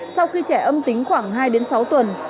sau khi trẻ âm tính khoảng hai sáu tuần